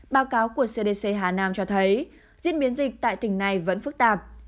báo cáo của cdc hà nam cho thấy diễn biến dịch tại tỉnh này vẫn phức tạp